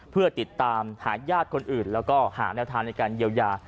เพื่อติดตามหาญาติคนอื่นแล้วก็หาแนวทางในการเยียวยา